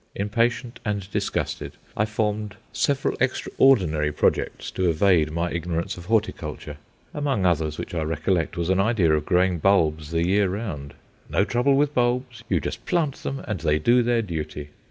Impatient and disgusted, I formed several extraordinary projects to evade my ignorance of horticulture. Among others which I recollect was an idea of growing bulbs the year round! No trouble with bulbs! you just plant them and they do their duty.